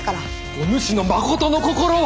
おぬしのまことの心を。